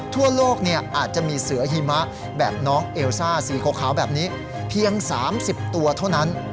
ทั่วโลกอาจจะมีเสือหิมะแบบน้องเอลซ่าสีขาวแบบนี้เพียง๓๐ตัวเท่านั้น